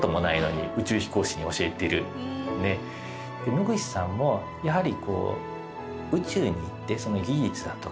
野口さんもやはり。